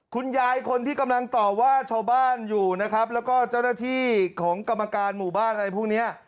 คุณยายคนที่กำลังต่อว่าชาวบ้านอยู่นะครับแล้วก็เจ้าหน้าที่ของกรรมการหมู่บ้านอะไรพวกเนี้ย